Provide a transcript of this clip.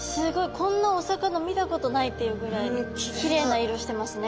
こんなお魚見たことないっていうぐらいきれいな色してますね。